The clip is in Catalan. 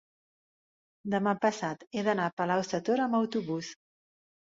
demà passat he d'anar a Palau-sator amb autobús.